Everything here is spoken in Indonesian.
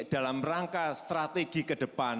dalam rangka strategi ke depan